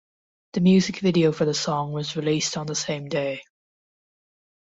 The music video for the song was released on the same day.